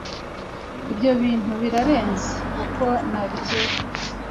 ibyo bintu birarenze uko nabikeka